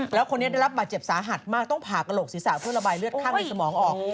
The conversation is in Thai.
แล้วคนนี้ได้รับบาดเจ็บสาหัสมากต้องผ่ากระโหลกศีรษะเพื่อระบายเลือดข้างในสมองออก